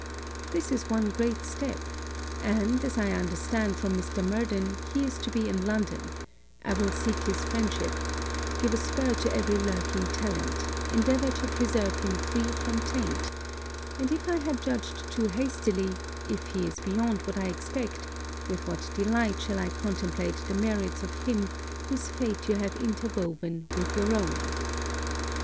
This is one great step: and, as I understand from Mr. Murden he is to be in London, I will seek his friendship; give a spur to every lurking talent; endeavour to preserve him free from taint; and if I had judged too hastily, if he is beyond what I expect, with what delight shall I contemplate the merits of him whose fate you have interwoven with your own!